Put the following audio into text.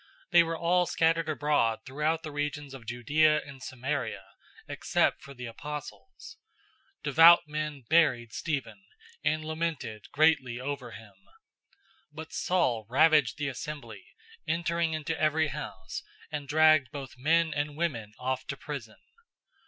They were all scattered abroad throughout the regions of Judea and Samaria, except for the apostles. 008:002 Devout men buried Stephen, and lamented greatly over him. 008:003 But Saul ravaged the assembly, entering into every house, and dragged both men and women off to prison.